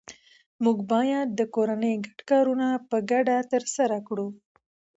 موږ باید د کورنۍ ګډ کارونه په ګډه ترسره کړو